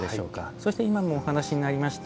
そして、今もお話にありました